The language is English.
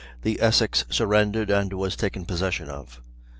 20 the Essex surrendered and was taken possession of.